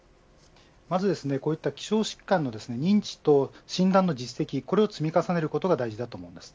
まずこういった希少疾患の認知と診断の実績を積み重ねることが大事だと思います。